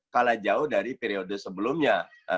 kalah jauh dari periode sebelumnya